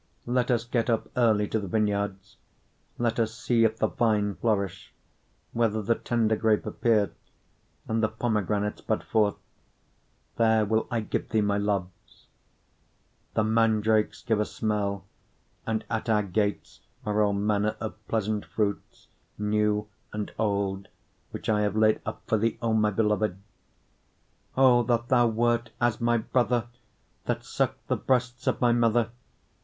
7:12 Let us get up early to the vineyards; let us see if the vine flourish, whether the tender grape appear, and the pomegranates bud forth: there will I give thee my loves. 7:13 The mandrakes give a smell, and at our gates are all manner of pleasant fruits, new and old, which I have laid up for thee, O my beloved. 8:1 O that thou wert as my brother, that sucked the breasts of my mother!